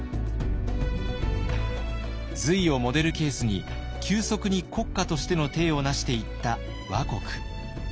隋をモデルケースに急速に国家としての体を成していった倭国。